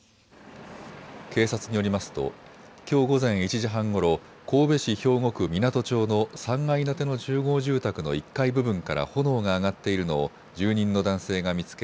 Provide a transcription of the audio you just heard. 警察によりますときょう午前１時半ごろ、神戸市兵庫区湊町の３階建ての集合住宅の１階部分から炎が上がっているのを住人の男性が見つけ